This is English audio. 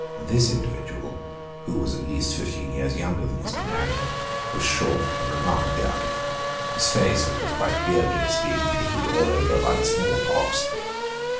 This individual, who was at least fifteen years younger than his companion, was short and remarkably ugly; his face, which was quite beardless, being pitted all over by the smallpox.